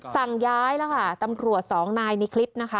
สั่งย้ายแล้วค่ะตำรวจสองนายในคลิปนะคะ